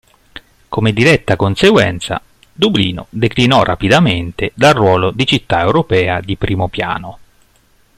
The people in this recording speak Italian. Come diretta conseguenza, Dublino declinò rapidamente dal ruolo di città europea di primo piano.